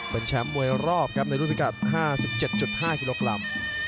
เป็นแชมป์มวยรอบครับในรุ่นพิกัด๕๗๕กิโลกรัม